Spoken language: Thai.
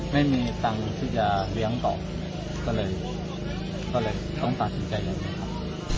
ไม่มีตังค์ที่จะเลี้ยงบอกก็เลยต้องฝากสิทธิ์ใจอย่างนี้ครับ